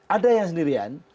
ada yang sendirian